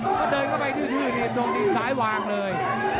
ก็เดินเข้าไปทื่นตรงนี้ซ้ายวางเลย